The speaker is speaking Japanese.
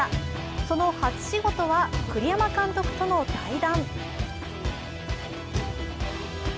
その初仕事は、栗山監督との対談。